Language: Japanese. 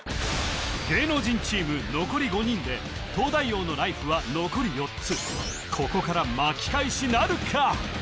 芸能人チーム残り５人で東大王のライフは残り４つここから巻き返しなるか？